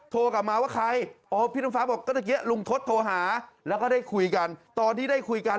โทรมาว่าใครพี่ธรรมฟร้าบอกเดี๋ยวลุงทศโทรหาแล้วก็ได้คุยกัน